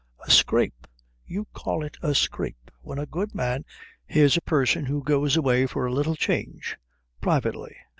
"A scrape! You call it a scrape when a good man " "Here's a person who goes away for a little change privately.